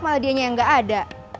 malah dianya yang gak ada